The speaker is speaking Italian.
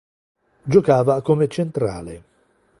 Giocava come centrale.